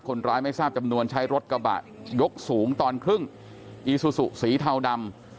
คนร้ายไม่ทราบจำนวนใช้รถกระบะยกสูงตอนครึ่งอีซูซูสีเทาดำ